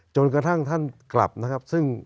จนกระทั่งท่านกลับนะครับซึ่ง